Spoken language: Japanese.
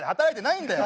いいんだよ